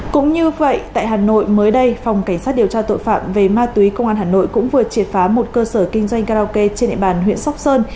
cũng như vậy tại hà nội mới đây phòng cảnh sát điều tra tội phạm về ma túy công an hà nội cũng vừa triệt phá một cơ sở kinh doanh karaoke trên địa bàn huyện sóc sơn